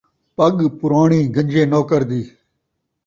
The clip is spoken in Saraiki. پڳ پراݨی گنجے نوکر دی